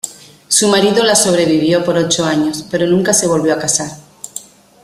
Su marido la sobrevivió por ocho años, pero nunca se volvió a casar.